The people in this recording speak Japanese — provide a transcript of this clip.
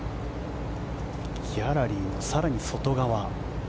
ギャラリーの更に外側。